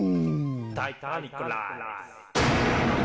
タイタニックライス。